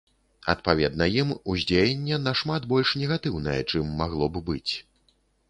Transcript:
Адпаведна ім уздзеянне нашмат больш негатыўнае, чым магло б быць.